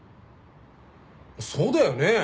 そうだよね！